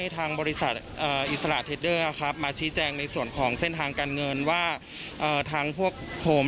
แม้ปิดลิ้นทันทำเรื่องนี้ทั้งด้วยนะครับ